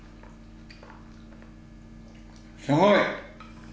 すごい！